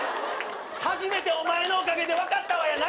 初めてお前のおかげで分かったわやないねん。